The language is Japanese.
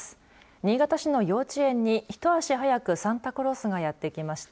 新潟市の幼稚園にひと足早くサンタクロースがやってきました。